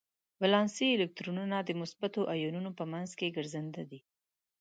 ولانسي الکترونونه د مثبتو ایونونو په منځ کې ګرځننده دي.